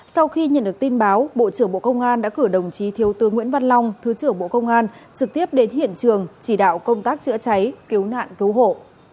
sau khi nhận được tin báo bộ trưởng bộ công an đã cử đồng chí thiếu tướng nguyễn văn long thứ trưởng bộ công an trực tiếp đến hiện trường chỉ đạo công tác chữa cháy cứu nạn cứu hộ